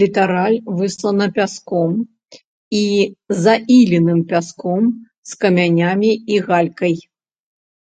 Літараль выслана пяском і заіленым пяском з камянямі і галькай.